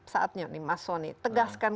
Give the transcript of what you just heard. saatnya mas soni tegaskan